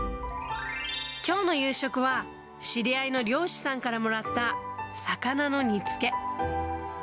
きょうの夕食は、知り合いの漁師さんからもらった魚の煮つけ。